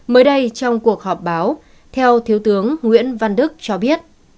mới đây trong cuộc họp báo theo thiếu tướng nguyễn văn đức cho biết